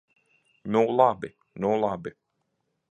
Nu labi, nu labi!